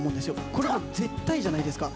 これ絶対じゃないですか。